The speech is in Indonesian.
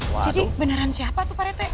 jadi beneran siapa tuh pak rt